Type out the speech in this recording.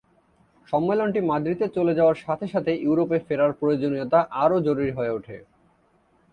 সম্মেলনটি মাদ্রিদে চলে যাওয়ার সাথে সাথে ইউরোপে ফেরার প্রয়োজনীয়তা আরও জরুরি হয়ে ওঠে।